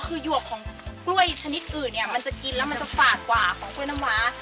คือหยวกของกล้วยชนิดอื่นเนี่ยมันจะกินแล้วมันจะฝาดกว่าของกล้วยน้ำว้า